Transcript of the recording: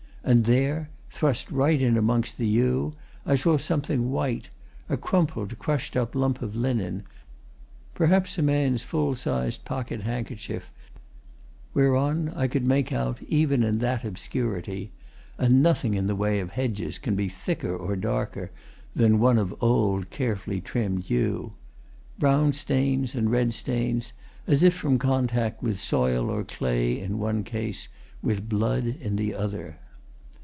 And there, thrust right in amongst the yew, I saw something white, a crumpled, crushed up lump of linen, perhaps a man's full sized pocket handkerchief, whereon I could make out, even in that obscurity (and nothing in the way of hedges can be thicker or darker than one of old, carefully trimmed yew) brown stains and red stains, as if from contact with soil or clay in one case, with blood in the other.